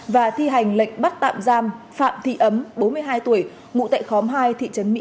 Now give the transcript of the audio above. và thi hành lệnh bắt tạm giam phạm thị ấm bốn mươi hai tuổi ngụ tại khóm hai thị trấn mỹ